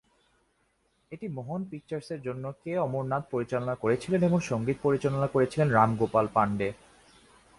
এটি মোহন পিকচার্সের জন্য কে অমরনাথ পরিচালনা করেছিলেন এবং সংগীত পরিচালনা করেছিলেন রাম গোপাল পান্ডে।